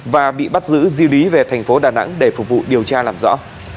và bị bắt giữ di lý về thành phố đà nẵng để phục vụ điều tra làm rõ